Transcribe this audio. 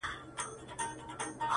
جانانه دغه شانې اور! په سړي خوله لگوي!